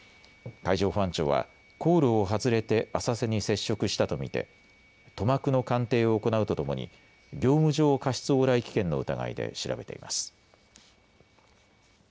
海上保安庁は航路を外れて浅瀬に接触したと見て塗膜の鑑定を行うとともに業務上過失往来危険の疑いで調べています。